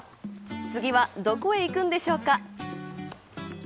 次はどこへ行くんでしょうか。